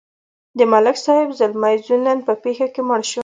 د ملک صاحب زلمی زوی نن په پېښه کې مړ شو.